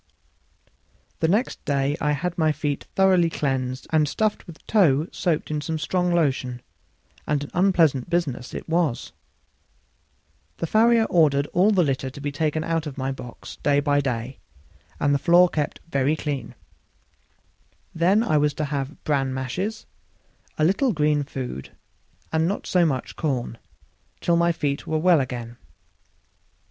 The next day I had my feet thoroughly cleansed and stuffed with tow soaked in some strong lotion; and an unpleasant business it was. The farrier ordered all the litter to be taken out of my box day by day, and the floor kept very clean. Then I was to have bran mashes, a little green food, and not so much corn, till my feet were well again.